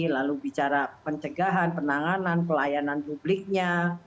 lalu bicara pencegahan penanganan pelayanan publiknya